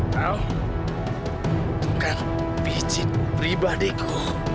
kau tukang pijit pribadiku